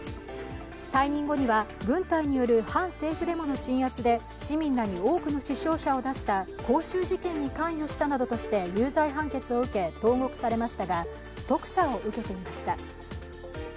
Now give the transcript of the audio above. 退任後には、軍隊による反政府デモの鎮圧で市民らに多くの死傷者を出した光州事件に関与したなどとして有罪判決を受け投獄されましたが特赦を受けていました。